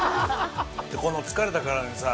この疲れた体にさ